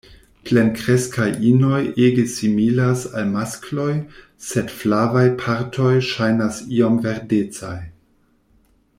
Plenkreskaj inoj ege similas al maskloj, sed flavaj partoj ŝajnas iom verdecaj.